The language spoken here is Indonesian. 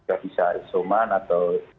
tidak bisa suman atau